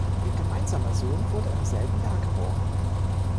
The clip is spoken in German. Ihr gemeinsamer Sohn wurde im selben Jahr geboren.